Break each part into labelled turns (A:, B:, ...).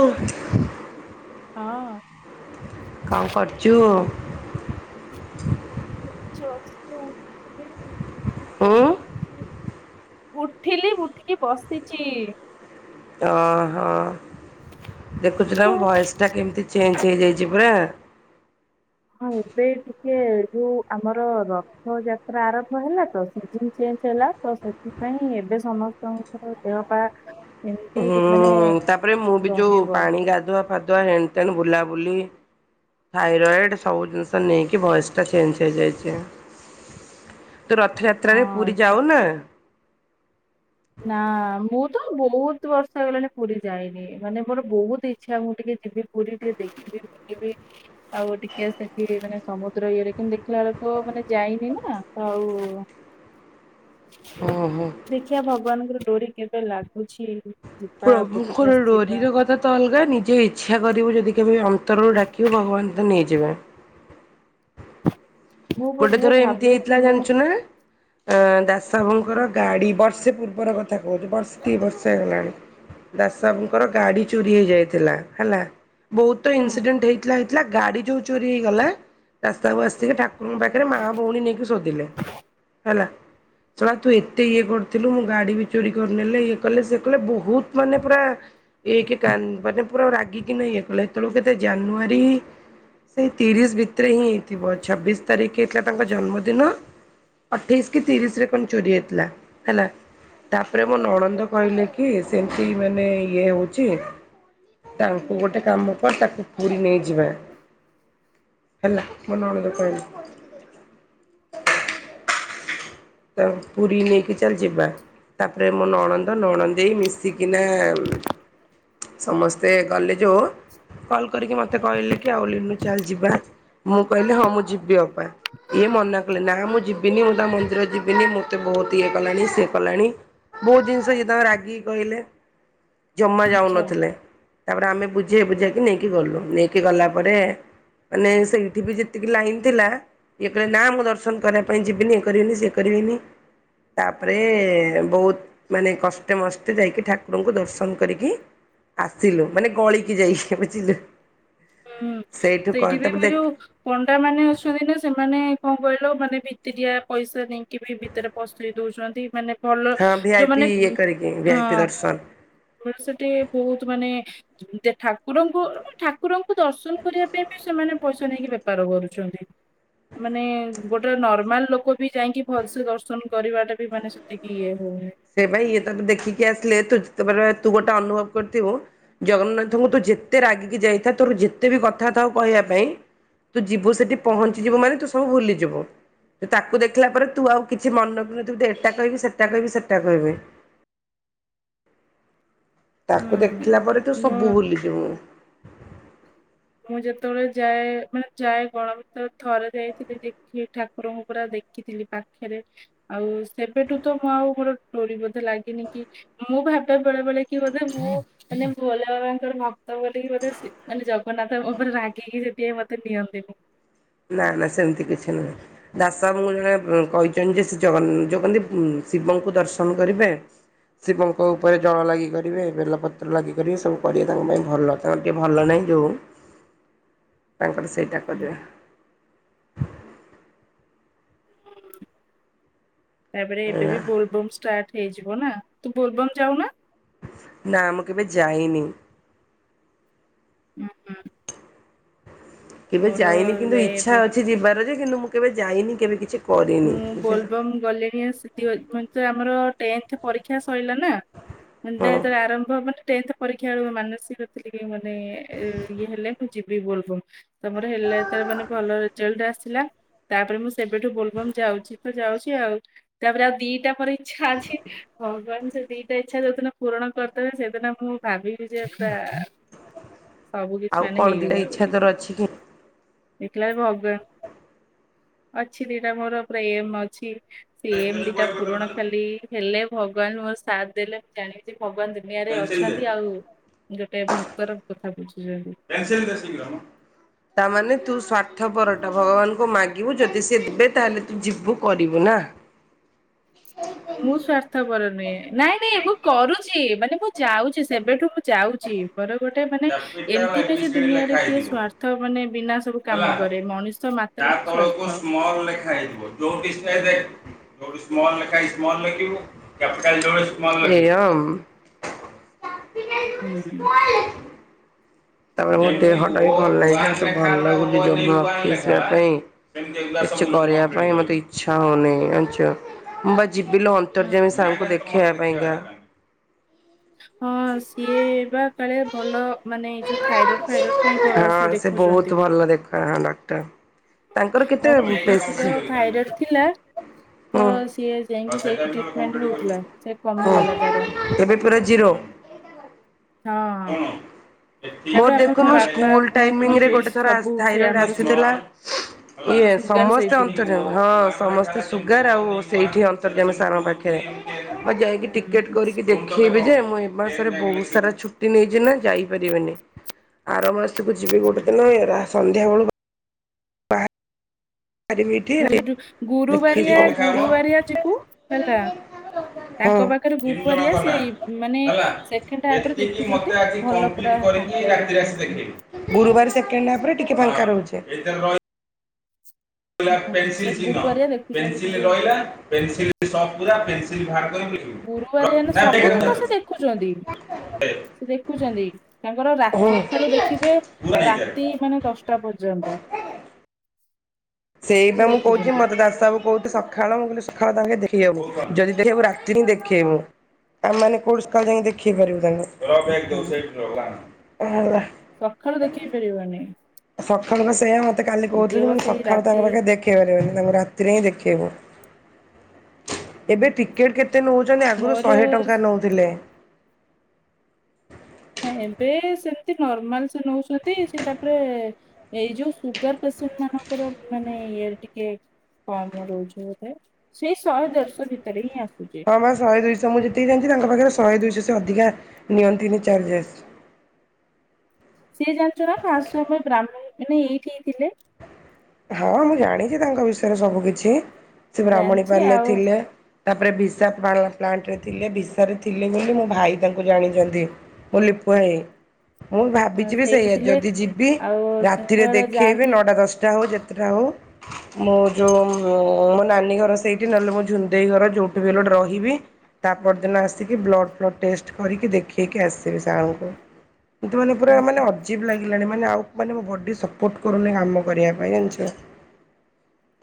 A: ଓ।
B: ହଁ।
A: କଣ କରଛୁ?
B: [inaudible]
A: ହୁଁ!
B: ବସିଛି। ଉଠିଲି ଉଠିକି ବସିଛି।
A: ଅ ହଁ ଦେଖୁଛୁ ନା ମୋ ଭଏସ୍ ଟା କେମିତି ଚେଞ୍ଜ ହେଇଯାଇଛି ପୁରା।
B: ହଁ ଏବେ ଟିକେ ଯୋଉ ଆମର ରଥଯାତ୍ରା ଆରମ୍ଭ ହେଲା ତ ସିଜନ ଚେଞ୍ଜ ହେଲା ତ ସେଥିପାଇଁ ଏବେ ସମସ୍ତଙ୍କର ଦେହ ପା ଏମିତି
A: ହୁଁ
B: ମାନେ
A: ତାପରେ ମୁଁ ବି ଯୋଉ
B: ରହିବ
A: ପାଣି ଗାଧୁଆ ଫାଧୁଆ ହେଣ୍ଡ ତେଣ୍ଡ ବୁଲାବୁଲି ଥାଇରଏଡ ସବୁ ଜିନିଷ ନେଇକି ଭଏସ ଟା ଚେଞ୍ଜ ହେଇଯାଇଛି। ତୁ ରଥଯାତ୍ରାରେ
B: ହଁ
A: ପୁରୀ
B: ତ-
A: ଯାଉ ନା?
B: ନା ମୁଁ ତ ବହୁତ ବର୍ଷ ହେଲାଣି ପୁରୀ ଯାଇନି ମାନେ ମୋର ବହୁତ ଇଚ୍ଛା ମୁଁ ଟିକେ ଯିବି। ପୁରୀ ଟିକେ ଦେଖିବି ବୁଲିବି। ଆଉ ଟିକେ ସେଠି ମାନେ ସମୁଦ୍ର ଇଏରେ କିନ୍ତୁ ଦେଖିଲା ଲୋକ ମାନେ ଯାଇନି ନା ଆଉ
A: ହୁଁ ହୁଁ।
B: ଖିଆ ଭଗବାନଙ୍କର ଡୋରି କେବେ ଲାଗୁଛି। ଯିବା
A: ପ୍ରଭୁଷ
B: ବୁଲିକି ଆସିବା
A: ଡୋରିରେ କଥା। ତ ଅଲଗା ନିଜେ ଇଚ୍ଛା କରିବୁ ଯଦି କେବେ ଅନ୍ତରରୁ ଡାକିବୁ ଭଗବାନ ତ ନେଇଯିବେ।
B: ମୁଁ
A: ଗୋଟେ
B: ବୋଧେ
A: ଥର ଏମିତି
B: ଭାବେ କି
A: ହେଇଥିଲା
B: ମୁଁ
A: ଜାଣିଛୁ ନା। ଦାସ ବାବୁଙ୍କର ଗାଡ଼ି ବର୍ଷେ ପୂର୍ବର କଥା କହୁଛିୁ ବର୍ଷେ ଦି ବର୍ଷେ ହେଇଗଲାଣି। ଦାସବୁଙ୍କର ଗାଡି ଚୋରି ହେଇଯାଇଥିଲା ହେଲା ବହୁତ ଇନସିଡେଣ୍ଟ ହେଇଥିଲା। ଗାଡି ଚୋଉ ଚୋରି ହେଇଗଲା ରାସ୍ତାକୁ ଆସିକି ଠା ପାଖରେ ମା ଭଉଣୀ ନେଇକି ଶୋଧିଲେ ହେଲା। ! ! ! ! ! ! ! ! ! ! ତୁ ଏତେ ଇଏ କରିଥିଲୁ ମୁଁ ଗାଡି ବି ଚୋରି କରିନେଲେ ଇଏ କଲେ ସେ କଲେ ବହୁତ ମାନେ ପୁରା ଏ କି କାନ ପୁରା ରାଗ କିି ନା ଇଏ କଲେ ଏତେବେଳ କେତେ ଜାନୁଆରୀ ସେଇ ତିରିଶ ଭିତରେ ହିଁ ହେଇଥିବ ଛବିଶ ତାରିଖ ହେଇଥିଲା ତାଙ୍କ ଜନ୍ମଦିନ। ଅଠେଇଶ କି ତିରିଶ ରେ କଣ ଚୋରି ହେଇଥିଲା ହେଲା। ତାପରେ ମଁ ନଣନ୍ଦ କହିଲେ କି ସେମିତି ମାନେ ଇଏ ହେଉଛି ତାଙ୍କୁ ଗୋଟେ କାମ କର ତାକୁ ପୁରୀ ନେଇଯିବା। ହେଲା ମ ନଣନ୍ଦ କହିଲେ। ତ ପୁରୀ ନେଇକି ଚାଲିଯିବା। ତାପରେ ମୁଁ ନଣନ୍ଦ ନଣନ୍ଦେଇ ମିଶିକିନା ସମସ୍ତେ ଗଲେ ଯେଉଁ କଲ୍ କରିକି ମୋତେ କହିଲେ କି ଆଉ ଲିନୁ ଚାଲ ଯିବା। ମୁଁ କହିଲି ହଁ ମୁଁ ଯିବି ଅପା ଇଏ ମନା କଲେ ନା ମୁଁ ଯିବିନି ମୁଁ ତା ମନ୍ଦିର ଯିବି ବିି ମତେ ବହୁତ ଇଏ କଲାଣି ସିଏ କଲାଣି। ବହୁତ ଜିନିଷ କି ତାଙ୍କ ରାଗିକି କହିଲେ ଜମା
B: ଆଚ୍ଛା
A: ଯାଉନଥିଲେ। ତାପରେ ଆମେ ବୁଝେଇ ବୁଝେଇକି ନେଇକି ଗଲୁ ନେଇକି ଗଲା ପରେ ମାନେ ସେଇଠି ବି ଯେତିକି ଲାଇନ ଥିଲା ଇଏ କହିଲେ ନା ମୁଁ ଦର୍ଶନ କରିବା ପାଇଁ ଯିବିନି ଇଏ କରିବିନି ସିଏ କରିବିନି ତାପରେ ବହୁତ ମାନେ କଷ୍ଟେ ମଷ୍ଟେ ଯାଇକି ଠାକୁରଙ୍କୁ ଦର୍ଶନ କରିକି ଆସିଲୁ ମାନେ ଗଳିକି ଯାଇକି ବୁଝିଲୁ।
B: ହୁଁ
A: ସେଇଠୁ
B: ସେଇଠି ବି
A: ତାପରେ ଦେଖ
B: ଯୋଉ ପଣ୍ଡା ମାନେ ଅଛନ୍ତି ନା ସେମାନେ କଣ କହିଲ ମାନେ ଭିତରିଆ ପଇସା ନେଇକି ବି ଭିତରେ ପସ୍ତେଇ ଦଉଛନ୍ତି ମାନେ ଭଲ
A: ହଁ ଭିଆଇପି
B: ଯୋଉମାନେ
A: ଇଏ କରିକି
B: ଅ
A: ଭିଆଇପି ଦର୍ଶନ।
B: ସେଠି ବହୁତ ମାନେ ଦେ ଠାକୁରଙ୍କୁ ଥା କୁରଙ୍କୁ ଦର୍ଶନ କରିବା ପାଇଁ ବି ସେମାନେ ପଇସା ନେଇକି ବେପାର କରୁଛନ୍ତି। ମାନେ ଗୋଟେ ନର୍ମାଲ ଲୋକ ବି ଯାଇକି ଭଲ ସେେ ଦର୍ଶନ କରିବାଟା ବି ମାନେ ସେତିକି ଇଏ ହଉ।
A: ସେ ପାଇଁ ଇଏ ତ ଦେଖିକି ଆସିଲେ ତୁ ତୁ ଗୋଟେ ଅନୁଭବ କରିଥିବୁ ଜଗନ୍ନାଥଙ୍କୁ ତୁ ଯେତେ ରାଗିକି ଯାଇଥା ତୋର ଯେତେ ବି କଥା ଥାଉ କହିବା ପାଇଁ ତୁ ଯିବୁ ସେଠି ପହଞ୍ଚିଯିବୁ ମାନେ ତୁ ସବୁ ଭୁଲିଯିବୁ। ତ ତାକୁ ଦେଖିଲା ପରେ ତୁ ଆଉ କିଛି ମନ ବିଉନ ଥିବୁ ଏଟା କହିବି ସେଟା କହିବି ସେଟା କହିବି।
B: ହୁଁ
A: ତାକୁ ଦେଖିଲା ପରେ ତୁ
B: ମୁଁ
A: ସବୁ ଭୁଲିଯିବୁ।
B: ମୁଁ ଯେତେବେଳେ ଯାଏ ମାନେ ଯାଏ ଗଣ ଭିତ ଥରେ ଯାଇଥିଲି ଦେଖି ଠାକୁରଙ୍କୁ ପୁରା ଦେଖିଥିଲି। ପାଖରେ ଆଉ ସେବେଠୁ ତ ମୁଁ ଆଉ ଘୋର ଟୋରି ବୋଧେ ଲାଗିନି କି ମୁଁ ଭାବିବା ବେଳେ ବେଳେ କି ବୋଧେ ମୁଁ ମାନେ ଭଲ ବାବାଙ୍କର ଭକ୍ତ ବୋଲିିକି ବେଧେ ଶି ମାନେ ଜ ଗନ୍ନାଥ ମୋ ଉପରେ ରାଗିକି ସେତିପାଇ ମତେ ନିଅନ୍ତିନି।
A: ନା ନା ସେମିତି କିଛି ନୁହେଁ। ଦାସବାବୁ ଙ୍କୁ ଜଣେ କହିଛନ୍ତି ଯେ- ଯୋଉ କଣତି ଶିବଙ୍କୁ ଦର୍ଶନ କରିବେ। ଶିବଙ୍କ ଉପରେ ଜଳ ଲାଗି କରିବେ, ବେଲପତ୍ର ଲାଗି କରିବେ, ସବୁ କରିବେ ତାଙ୍କ ପାଇଁ ଭଲ। [unintelligible] ତାଙ୍କର ସେଇଟା କରିବା।
B: ତାପରେ ଏବେ
A: ଏଇଆ
B: ବି ବୋଲବମ୍ ଷ୍ଟାର୍ଟ ହେଇଯିବ ନା, ତୁ ବୋଲବମ ଯାଉନା?
A: ନାଁ, ମୁଁ କେବେ ଯାଇନି।
B: ହୁଁ ହୁଁ
A: କେବେ ଯାଇନି, କିନ୍ତୁ
B: ଯାଏ ଏବେ
A: ଇଛା ଅଛି ଯିବାର ଯେ -କିନ୍ତୁ ମୁଁ କେବେ ଯାଇନି, କେବେ କିଛି କରିନି
B: ମୁଁ
A: ବୁଝିଲ।
B: ବୋଲବମ୍ ଗଲିଣି ଆସି ଆମର ଟେନ୍ଥ ପରୀକ୍ଷା ସଇଲା ନା,
A: ହଁ
B: ଆରମ୍ଭ ମାନେ ଟେନ୍ଥ ପରୀକ୍ଷା ମାନସିକ ଥିଲେ ମାନେ ଇଏ ହେଲେ ମୁଁ ଯିବି ବୋଲବମ୍। ତ ମୋର ହେଲେ ତ ମାନେ ଭଲ ରେଜଲ୍ଟ ଆସିଲା, ତାପରେ ମୁଁ ସେବେଠୁ ବୋଲ୍ ଏବଂ ଯାଉଛି ତ ଯାଉଛି ଆଉ, ତାପରେ ଆଉ ଦିଟା ପରେ ଇଛା ଅଛି ଭଗବାନ ସେ ଦିଟା ଇଛା ଯୋଉଦିନ ପୂରଣ କରିଦେବେ, ସେଦିନ ମୁଁ ଭାବିବି ଯେ ପୁରା ସବୁ କିଛି
A: ଆଉ
B: ମାନେ
A: କଣ ଦିଟା
B: ହେଇଗଲା
A: ଇଛା
B: ବୋଲିକି
A: ତୋର ଅଛି କି?
B: ଦେଖିଲା ବେଳକୁ, [unintelligible] ଅଛି ଦିଟା ମୋର ପୁରା ଏମ ଅଛି। ଏମ୍ ଦିଟା ପୁରଣ ଖାଲି ହେଲେ, ଭଗବାନ ମୋର ସାଥ ଦେଲେ, ମୁଁ ଜାଣିବି ଯେ ଭଗବାନ ଦେ ଦୁନିଆରେ
A: ପେନସିଲ ଦେ
B: ଅଛନ୍ତି ଆଉ, ଗୋଟେ ଭକ୍ତର କଥା ବୁଝୁଛନ୍ତି।
A: କେନ୍ସଲ ବଶିଙ୍ଗାମ ତାମାନେ ତୁ ସ୍ୱାର୍ଥପରଟା ଭଗବାନଙ୍କୁ ମାଗିବୁ ଯଦି ସେ ଦେବେ, ତାହେଲେ ତୁ ଯିବୁ କରିବୁ ନା।
B: ମୁଁ ସ୍ଵାର୍ଥପର ନୁହେଁ, ନାଇଁ ନାଇଁ ମୁଁ କରୁଛି ମାନେ ମୁଁ ଯାଉଛି ସେବେଠୁ ମୁଁ ଯାଉଛି। ର ଗୋଟେ ମାନେ
A: କ୍ୟାପିଟାଲ
B: ଏମିତି
A: ଏ
B: ନୁହଁ
A: ବି
B: ଯେ
A: ସି ଡି
B: ଦୁନିଆରେ
A: ଲେଖା
B: କିଏ
A: ହେଇଥିବ
B: ସ୍ଵାର୍ଥ ମାନେ ବିନା ସବୁ
A: ହେଲା।
B: କାମ କରେ, ମଣିଷ ମା
A: ତା ତଳକୁ ସ୍ମଲ ଲେଖା ହେଇଥିବ, ଯଉଠି
B: ଆଉ
A: ସେ ସ୍ମଲ ଲେଖା ହେଇଛି ସ୍ମଲ ଲେଖିବୁ, କ୍ୟାପିଟାଲ ଯୋଉଠି ସ୍ମଲ ଲେଖିବୁ।
B: ହୁଁ ଉଁ
A: ତାପରେ ମୋ
B: ଆଉ
A: ଦେହଟା ବି ଭଲ ଲାଗିଲାନି, ସେ ଭଲ ଲାଗୁନି ଜମା ଅଫିସ ଯିବା ପାଇଁ କିଛି କରିବା ପାଇଁ ମତେ ଇଛା ହଉନି, ଜାଣିଛ? ମୁଁ ବା ଯିବି ଲୋ
B: ହୁଁ।
A: ଅନ୍ତର୍ଯ୍ୟମୀ ସାରଙ୍କୁ ଦେଖେଇବା ପାଇଁକା।
B: ହଁ ସିଏ ବା କାଳେ ଭଲ ମାନେ ଯୋଉ ଥାଇରଏଡ ଫାଇରଏଡ ପାଇଁ ଭଲ
A: ହଁ
B: ସେ ଦେଖୁଛନ୍ତି।
A: ବହୁତ ଭଲ ଦେଖା ଡକ୍ଟର। ତାଙ୍କର କେତେ
B: ମୋ
A: ପେସ
B: ପିଇସିର ଥାଇରଏଡ ଥିଲା ତ
A: ହୁଁ।
B: ସିଏ ଯାଇକି ସେଇଠି ଟ୍ରିଟ୍ ମେଣ୍ଟ ହଉଥିଲା, ସେ କମିଗଲା ତାର।
A: ଏବେ ପୁରା ଜିରୋ।
B: ହଁ ଅଁ
A: ଶୁଣୁ ମୋର ଦେଖୁନୁ ସ୍କୁଲ
B: ମୋ ମୋ
A: ଟାଇମଙ୍ଗ ରେ ଗୋଟେ
B: ପିଇସି
A: ଥର
B: ସବୁ ସେ
A: ଥାଇରଏଡ଼
B: ଆମର ସୁ
A: ଆସିଥିଲା। ଇଏ
B: ସୁଗାର
A: ସମସ୍ତେ
B: ସେଇଠି
A: ଅନ୍ତର ହଁ ସମସ୍ତେ ସୁଗାର ଆଉ ସେଇଠି ଅନ୍ତର୍ଯ୍ୟମି ଯେ ସାର୍ ଙ୍କ ପାଖରେ ମୁଁ ଯାଇକି ଟିକେଟ
B: ହୁଁ।
A: କରିକି ଦେଖେଇବି ଯେ, ମୁଁ ଏ ମାସରେ ବହୁତ ସାରା ଛୁଟି ନେଇଛି ନା, ଯାଇପାରିବିନି। ଆର ମାସକୁ ଯିବି ଗୋଟେ ଦିନ, ସନ୍ଧ୍ୟା ବେଳକୁ ବାହା ରିବି ଏଠି,
B: ଗୁରୁ
A: ଦେଖେଇବି।
B: ଗୁରୁବାରିଆ
A: [unintelligible]
B: ଗୁରୁବାରିଆ ଯିବୁ ହେଲା ତାଙ୍କ ପାଖରେ ଗୁରୁବାରିଆ ସେ ଇ- ମାନେ ସେକେଣ୍ଡ ହାପରେ ଦେଖୁଛନ୍ତି ଭଲ ପୁରା ଫାଙ୍କା ଦେଖିବାକୁ
A: ଗୁରୁବାର ସେକେଣ୍ଡ ହାପ୍ ରେ ଟିକେ ଫାଙ୍କା ରହୁଚି।
B: ହୁଁ ସେ ଗୁରୁବାରିଆ ଦେଖୁଛନ୍ତି ଟିକେ
A: [unintelligible]
B: ଗୁରୁବାରିଆ
A: ନା ବେଗରେ
B: ସବୁଦିନ ତ, ସେ
A: ଧରିଦେ
B: ଦେଖୁଛନ୍ତି, ଦେଖୁଛନ୍ତି। ତାଙ୍କର ରା
A: ପୁରା
B: ସକାଳୁ ଦେଖିବେ
A: ନେଇଚାଲେ।
B: ରାତି ମାନେ ଦଶଟା ପର୍ଯ୍ୟନ୍ତ। ସେ
A: ସେଇବା ମୁଁ କହୁଛି
B: ଦେଖୁଛନ୍ତି।
A: ମତେ ଦାସବାବୁ ବହୁତ୍ ସକ୍ ସଖାଳ ମୁଁ କହିଲି, ସକାଳ ତାଙ୍କେ ଦେଖେଇବ ଯଦି ଦେଖେଇବୁ ରାତି ହିଁ ଦେଖେଇବୁ। ଆମ ମାନେ କୋଉଠି ସକାଳେ ଯାଇକି ଦେଖେଇ ପାରିବୁ ତାଙ୍କୁ
B: ହୁଁ। ସଖାଳ ଦେଖେଇ ପାରିବାନି।
A: ସଖାଳୁ ସେୟା ମତେ କାଲି କହୁଥିଲି
B: ବା
A: ମୁଁ
B: ସେଇ
A: ସଖାଳୁ
B: ରାତି
A: ତାଙ୍କ ପାଖେ ଦେଖ୍ ଦେଖେଇପାରିବନି ଯା ରାତିରେ ଦେଖେଇବ ଏବେ ଟିକେଟ କେତେ ନଉଛନ୍ତି ଆଗରୁ
B: ମୋର
A: ଶହେ ଟଙ୍କା ନଉଥିଲେ।
B: ଏବେ ସେମତି ନର୍ମାଲ ସେ ନଉଛନ୍ତି ସେ ତାପରେ ଏଇ ଯୋଉ ସୁଗାର ପେସେଣ୍ଟ ମାନଙ୍କର ମାନେ ଇଏ ଟିକେ କମ ରହୁଛି ବୋଧେ ସେଇ ଶହେ ଦେଢ଼ଶ ଭିତରେ ହିଁ ଆସୁଛି।
A: ହଁ ମା ଶହେ ଦୁଇଶହ ମୁଁ ଯେତିକି ଜାଣିଛି ତାଙ୍କ ପାଖରେ ଶହେ ଦୁଇଶହ ଅଧିକା ନିଅନ୍ତିନି ଚାର୍ଜେସ୍।
B: ସିଏ ଜାଣିଚୁ ନା ଫାଷ୍ଟ ସୋ ରେ ବ୍ରାହ୍ମଣ ମାନେ ଏଇଠି ହେଇଥିଲେ।
A: ହଁ ମୁଁ ଜାଣିଛି ତାଙ୍କ ବିଷୟରେ ସବୁ କିିଛି ସେ ବ୍ରାହ୍ମଣୀ
B: ଜାଣିଛି
A: ପାଲରେ
B: ଆଉ
A: ଥିଲେ। ତାପରେ ବିସାତ୍ ଭାରତ ପ୍ଲାଣ୍ଟରେ ଥିଲେ ବିସାରେ ଥିଲେ ବୋଲି ମୋ ଭାଇ ତାଙ୍କୁ ଜାଣିଛନ୍ତି। ମୋ ଲିପୁ ଭାଇ। ମୁଁ ଭାବିଛିିବି
B: ସେଇଠି
A: ସେଇଆ
B: ଥିଲେ
A: ଯଦି ଯିବି
B: ଆଉ
A: ରାତିରେ
B: ଯେତେବେଳେ
A: ଦେଖେଇବି
B: ଯାଆନ୍ତି
A: ନଅଟା ଦଶ ଟା ହଉ ଯେତେଟା ହଉ। ମୋ ଯୋଉ ମୋ ନାନୀ ଘର ସେଇଠି ନହେଲେ ମୋ ଝୁନଦେଇ ଘର ଯୋଉଠି ବି ହେଲେ ରହିବି। ତା ପରଦିନ ଆସିକି ବ୍ଲଡ଼୍ ଫ୍ଲଡ଼୍ ଟେଷ୍ଟ କରିକି ଦେଖେଇକି ଆସିବି ସାରଙ୍କୁ। କିନ୍ତୁ ମାନେ ପୁରା ମାନେ
B: ହୁଁ
A: ଅଜିଵ୍ ଲାଗିଲାଣି ମାନେ ଆଉ ମୋ ବଡି ସପୋର୍ଟ କରୁନି ଆମ କରିବା ପାଇଁ ଜାଣିଛୁ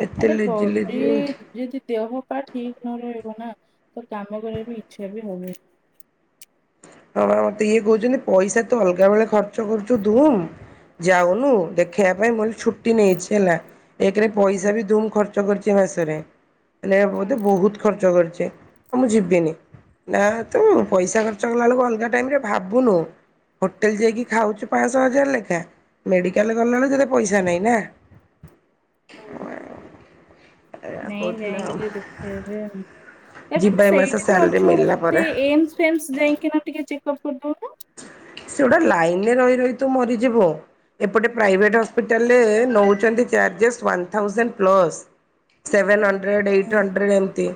A: ଏତେ
B: ଆରେ
A: ଲେଜି
B: ବଡି
A: ଲେଜି ରହୁଛି।
B: ଯଦି ଦେହ ପା ଠିକ ନ ରହିବ ନା ତ କାମ କରିବା ଇଚ୍ଛା ବି ହବନି।
A: ହଁ ମତେ ଇଏ କହୁଛନ୍ତି ପଇସା ତ ଅଲଗା ବେଳେ ଖର୍ଚ୍ଚ କରୁଛୁ ଧୁମ ଯାଉନୁ ଦେଖେଇବା ପାଇଁ ମୁଁ କହିଲି ଛୁଟି ନେଇଛି ହେଲା। ଏକରେ
B: ହୁଁ,
A: ପଇସା ବି ଧୁମ ଖର୍ଚ୍ଚ କରିଛି ଏ ମାସରେ ହେଲେ ବୋଧେ ବହୁତ ଖର୍ଚ୍ଚ କରିଛେ। ହଉ ମୁଁ ଯିବିନି ନା ତୁ ପଇସା ଖର୍ଚ୍ଚ କଲାବେଳକୁ ଅଲଗା ଟାଇମରେ ଭାବୁନୁ। ହୋଟେଲ ଯାଇକି ଖାଉଛୁ ପାଂଶ ହଜାର ଲେଖା ମେଡ଼ିକାଲ ଗଲାବେଳକୁ ତତେ ପଇସା ନାହିଁ ନା।
B: ହୁଁ।
A: [inaudible]
B: ନାଇଁ
A: କହୁଥିଲେ
B: ଯାଇଁକି
A: ଆଉ
B: ଟିକେ ଦେଖେଇବେ।
A: ଯିବା
B: ଏବେ
A: ଏ ମାସ
B: ସେଇଠି ତ
A: ସାଲାରୀ
B: ଅଛୁ
A: ମିଳିଲା
B: ତ
A: ପରେ।
B: ଏମ ସ୍ ଫେମ୍ ସ ଯାଇକିନା ଟିକେ ଚେକଅପ୍ କରିଦଉନୁ।
A: ସେଗୁଡ଼ା ଲାଇନରେ ରହି ରହି ତ ମରିଯିବ। ଏପଟେ ପ୍ରାଇଭେଟ୍ ହସ୍ପିଟାଲରେ ନେଉଛନ୍ତି charges one thousand plus. Seven hundred eight
B: ହୁଁ।
A: ହଣ୍ଡ୍ରେଡ ଏମତି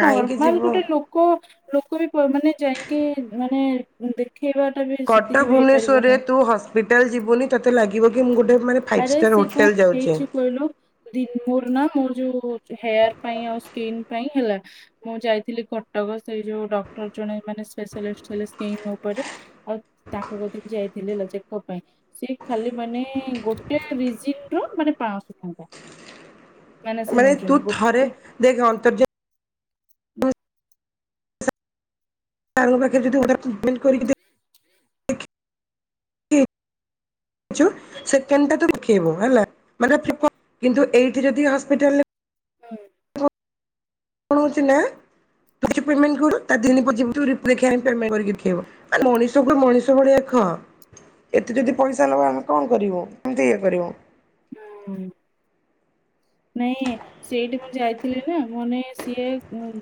A: କାହିଁକି ଯିବ?
B: କୋଉ ଲୋକ ବି ମାନେ ଯାଇକି ମାନେ ଦେ ଖିବାଟା ବି ସେତିକି ବି ହେଇପାରିବୁନୁ।
A: ଯେତେବେଳେ ଯିବୁନି ତୋତେ ଲାଗିବ କି ମୁଁ ଗୋଟେ ମାନେ ଫାଇଭ୍
B: ଆରେ
A: ଷ୍ଟାର୍
B: ସିଏ କଣ
A: ହୋଟେଲ ଯାଉଛେ।
B: ହେଇଛି କହିଲୁ? ଦିନ ମୋର ନା ମୋର ଯୋଉ ହେୟାର ପାଇଁ ଆଉ ସ୍କିିନ ପାଇଁ ହେଲା। ମୁଁ ଯାଇଥିଲି କଟକ ସେଇ ଯୋଉ ଡକ୍ଟର ଜଣେ ମାନେ ସ୍ପେଶାଲିଟି ଥିଲେ ସ୍କିନ ଉପରେ। ଆଉ ତାଙ୍କ କତିକି ଯାଇଥିଲି ହେଲା ଚେକଅପ ପାଇଁ ସିଏ ଖାଲି ମାନେ ଗୋ ଗୋଟେ ରିଜିନରୁ ମାନେ ପାଂଶ ଟଙ୍କା ମାନେ ସେ ନଉଛନ୍ତି ଗୋଟେ।
A: ଦେଖ୍ ଅନ୍ତର୍ଜା
B: ହୁଁ
A: ତାଙ୍କ ପାଖେ ଯଦି ଗୋଟେ [inaudible] [inaudible] ସେକେଣ୍ଡଟା ତୁ ଦେଖେଇବୁ ହେଲା ମାନେ କିନ୍ତୁ ଏଇଠି ଯଦି ହସ୍ପିଟାଲରେ
B: ହୁଁ।
A: କଣ ହେଉଛି ନା ତୁ ଆଜି ପେମେଣ୍ଟ କଲୁ ତା ଦିନ ପରେ ଯିବୁ [inaudible] ପେମେଣ୍ଟ କରିକି ଦେଖେଇବ। ମଣିଷକୁ ମଣିଷ ଭଳିଆ କହ। ଏତେ ଯଦି ପଇସା ନବା ଆମେ କଣ କରିବୁ କେମିତି ଇଏ କରିବୁ?
B: ହୁଁ। ନାଇଁ। ସେଇଠି ମୁଁ ଯାଇଥିଲି ନା ମାନେ ସିଏ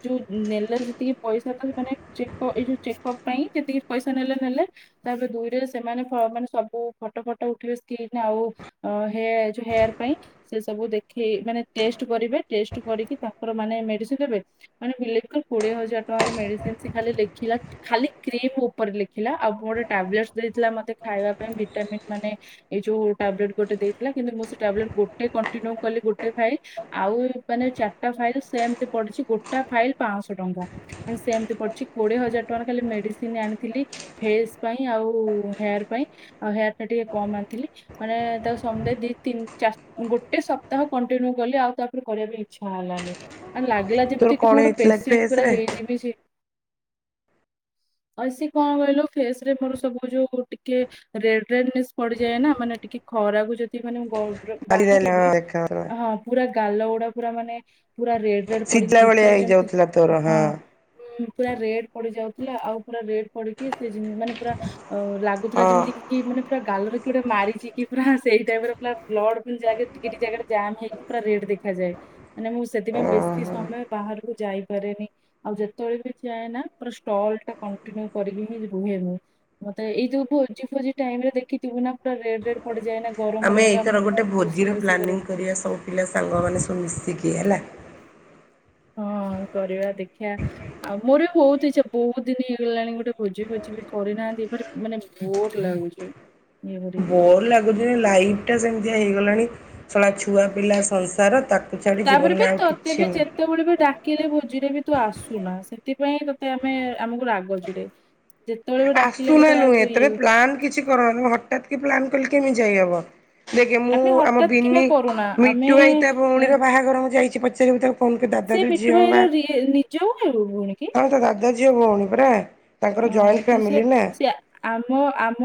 B: ଯୋଉ ନେଲା ଯେତିକି ପଇସା ତା ମାନେ ଚେକ ଏଇ ଯୋଉ ଚେକପ୍ ପାଇଁ ଯେତିକି ପଇସା ନେଲେ ନେଲେ ତାପରେ ଦୁଇଟରେ ସେମାନେ ପ ମାନେ ସବୁ ଫଟୋ ଫଟ ଉଠିବେ ସ୍କ୍ରନ୍ ଆଉ ଅ ହେ ଯୋଉ ହେୟାର ପାଇଁ ସେ ସବୁ ଦେ ଖେଇ ମାନେ ଟେଷ୍ଟ୍ କରିବେ ଟେଷ୍ଟ୍ କରିକି ତାଙ୍କର ମାନେ ମେଡିସିନ ଦେବେ। ମାନେ ବିଲିବ୍ କର କୋଡିଏ ହଜାର ଟଙ୍କାର ମେଡିସିନ ସେ ଖାଲି ଲେଖିଲା। ଖାଲି କ୍ରିମ ଉପରେ ଲେଖିଲା ଆଉ ଗୋଟେ ଟାବଲେଟ ଦେଇଥିଲା ମତେ ଖାଇବା ପାଇଁ ଭିଟାମିନ୍ ମାନେ ଏଇ ଯୋଉ ଟାବଲେଟ ଗୋଟେ ଦେଇଥିଲା କିନ୍ତୁ ମୁଁ ସେ ଟାବଲେଟ ଗୋଟେ କଣ୍ଟିନ୍ୟୁ କଲି ଗୋଟେ ପାଇଲ। ଆଉ ମାନେ ଚାରିଟା ଫାଇଲ ସେମତି ପଡିଛି ଗୋଟା ଫାଇଲ ପାଞ୍ଚଶହ ଟଙ୍କା ମାନେ ସେମତି ପଡିୁଛି କୋଡିଏ ହଜାର ଟଙ୍କାର ଖାଲି ମେଡିସିନ ଆଣିଥିଲି। ଫେସ୍ ପାଇଁ ଆଉ ହେୟାର ପାଇଁ ଆଉ ହେୟାର ପାଇଁ ଟିକେ କମ୍ ଆଣିଥିଲି ମାନେ ତାକୁ ସମଦାୟୀ ଦି ତିନି ଚାର ଗୋଟେ ସପ୍ ପ୍ତାହ କଣ୍ଟିନ୍ୟୁ କଲି ଆଉ ତାପରେ କରିବା ଇଚ୍ଛା ହେଲାନି। ମାନେ ଲାଗିଲା
A: ତୋର
B: ଯେମତିକି
A: କଣ
B: ମୁଁ ଗୋଟେ
A: ହେଇଥିଲା କି
B: ପେସେଣ୍ଟ
A: ଫେସ
B: ପୁରା
A: ରେ
B: ହେଇଯିବି ସେ। ଆଉ ସେ କଣ କହିଲୁ ଫେସ ରେ ମୋର ସବୁ ଯୋଉ ଟିକେ ରେଡ ରେଡ ମିନସ୍ ପଡିଯାଏ ନା ମାନେ ଟିକେ ଖରାକୁ ଯଦି ମାନେ ମୁଁ ଗ ବାହାରିବି
A: [unintelligible]
B: ହଁ ପୁରା ଗାଲ ଗୁଡା ପୁରା ମାନେ ପୁରା ରେଡ ରେଡ ପଡିକି
A: ସିଝା ଭଳିଆ
B: ଭିତର ଯେମିତି
A: ହେଇଯାଉଥିଲା
B: ହାଁ।
A: ତୋର ହଁ
B: ହମ ପୁରା ରେଡ ପଡି ଯାଉଥିଲା ଆଉ ପୁରା ରେଡ ପଡିକି ସେ ଯେ ମାନେ ପୁରା ଆଉ ଲାଗୁଥିଲା
A: ହଁ
B: ଯେମିତିକି କି ମାନେ ପୁରା ଗାଲରେ କିଏ ଗୋଟେ ମାରିଛି କି ପୁରା ସେଇ ଟାଇପ ର ପୁରା ବ୍ଲଡ [unintelligible] ଟିକେ ଟିକେ ଜାଗାରେ ଜାମ୍ ହେଇକି ପୁରା ରେଡ୍ ଦେଖାଯାଏ ମାନେ ମୁଁ ସେଥିପାଇଁ ବେଶୀ
A: ଓହୋ
B: ସମୟ ବାହାରକୁ ଯାଇପାରେନି। ଆଉ ଯେତେବେଳେ ବି ଯାଏ ନା ଷ୍ଟଲ ଟା କଣ୍ଟିନ୍ୟୁ କରିକି ହିଁ ରୁହେ ମୁଁ। ମତେ ଏଇ ଯୋଉ ଭୋଜି ଫୋଜି ଟାଇମ ରେ ଦେଖିଥିବୁ ନା ପୁରା ରେଡ ରେଡ ପଡିଯାଏନା।
A: ଆମେ ଏଇଥର ଗୋଟେ ଭୋଜିର ପ୍ଲାନିଂ କରିବା ସବୁ ପିଲା ସାଙ୍ଗ ମାନେ ସବୁ ମିଶିକି ହେଲା?
B: ହଁ କରିବା ଦେଖିବା। ଆଉ ମୋର ବି ବହୁତ ଇଚ୍ଛା ବହୁତ ଦିନ ହେଇଗଲାଣି ଗୋଟେ ଭୋଜି ଭୋଜି ବି କରିନାହାନ୍ତି ଭାରି ମାନେ ବୋର ଲାଗୁଛି। ଇଏ କରିକି।
A: ବୋର ଲାଗୁଛି ଲାଇଫ ଟା ସେମିତିଆ ହେଇଗଲାଣି ଶଳା ଛୁଆ ପିଲା ସଂସାର ତା କୁ ଛାଡି ଜୀବନରେ ଆଉ କିଛି ନାହିଁ।
B: କେତେବେଳେ ବି ଡାକିିଲେ ଭୋଜିରେ ବି ତୁ ଆସୁନା ସେଥିପାଇଁ ତତେ ଆମେ ଆମକୁ ରାଗ ଛିଡେ।
A: ଆସୁନା ନୁହେଁ ତମେ ପ୍ଲାନ୍ କିଛି କର ହଠତ୍ କି ପ୍ଲାନ୍ କଲେ କେମିତି ଯାଇହବ। ଦେଖେ ମୁଁ
B: ଆମେ
A: ଆମ
B: ହଠାତ୍ କିନା
A: ବିିନି
B: କରୁନା ଆମେ
A: ମିଟୁ ଭାଇ ତା ଭଉଣୀର ବାହାଘର ହଁ ଯାଇଛି ପଚାରିବୁ ତାକୁ। [unintelligible] ଦାଦା
B: ସେ
A: ଯଉ
B: ମିଟୁ
A: ଝିଅ ର
B: ଭାଇର ରି ନିଜ ଭାଇ ଭଉଣୀ କି
A: ବାହାଘର ହଁ ତା ଦା ଦା ଝିଅ ଭଉଣୀ ପରା ତାଙ୍କର
B: ଅ
A: ଜଏଣ୍
B: ତ ସେ ସେ [unintelligible] ଆମ ଆମ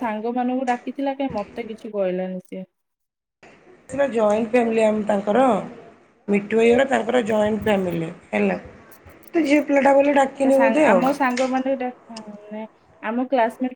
B: ସାଙ୍ଗ ମାନଙ୍କୁ ଡାକିଥିଲା କାଇଁ ମତେ କିଛି କହିଲାନି ସିଏ।
A: ସିନା ଜଏଣ୍ଟ ଫ୍ୟାମିଲି ଆମ ତାଙ୍କର। ମିଠୁଭାଇ ଘର ତାଙ୍କର ଜଏଣ୍ଟ ଫାମିଲି ହେଲା, ତୁ ଝିଅ ପିଲଟା ବୋଲି ଡାକ
B: ସାଙ୍ଗ୍ ଆମ ସାଙ୍ଗ ମାନେ [unintelligible] ଆମ କ୍ଲାସମେଟ।